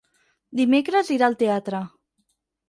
Dimecres irà al teatre.